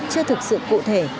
chưa thực sự cụ thể